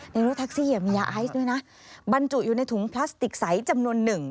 รถแท็กซี่มียาไอซ์ด้วยนะบรรจุอยู่ในถุงพลาสติกใสจำนวนหนึ่ง